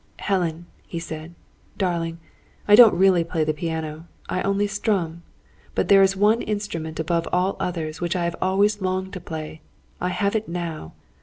"Helen," he said, "darling, I don't really play the piano, I only strum. But there is one instrument, above all others, which I have always longed to play. I have it now.